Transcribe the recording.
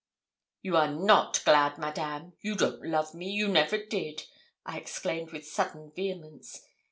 'You are not glad, Madame; you don't love me you never did,' I exclaimed with sudden vehemence.